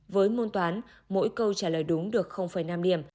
với môn toán mỗi câu trả lời đúng được năm điểm